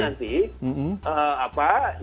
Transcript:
yang dibawa di pengadilan